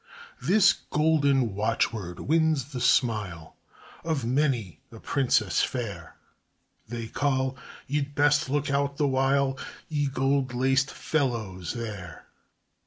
This golden watchword wins the smile Of many a princess fair; They call ye'd best look out the while, Ye gold laced fellows there!